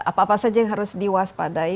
apa apa saja yang harus diwaspadai